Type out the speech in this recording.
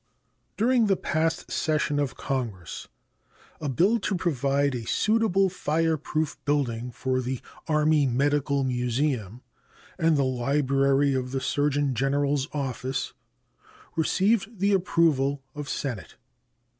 During the past session of Congress a bill to provide a suitable fire proof building for the Army Medical Museum and the library of the Surgeon General's Office received the approval of the Senate.